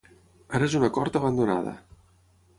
Ara és una cort abandonada.